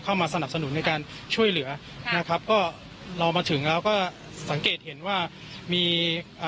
เข้ามาสนับสนุนในการช่วยเหลือนะครับก็เรามาถึงแล้วก็สังเกตเห็นว่ามีอ่า